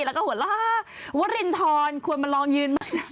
แล้วก็หวัดว่าวัลินทรควรมาลองยืนมากนะ